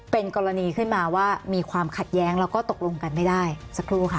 เป็นกรณีขึ้นมาว่ามีความขัดแย้งแล้วก็ตกลงกันไม่ได้สักครู่ค่ะ